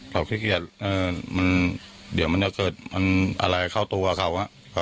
เขาขี้เกียจเดี๋ยวมันจะเกิดมันอะไรเข้าตัวเขา